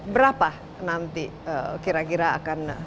berapa nanti kira kira akan